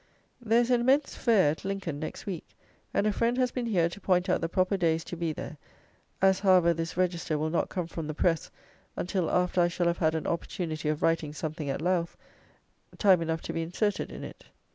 There is an immense fair at Lincoln next week; and a friend has been here to point out the proper days to be there; as, however, this Register will not come from the press until after I shall have had an opportunity of writing something at Louth, time enough to be inserted in it.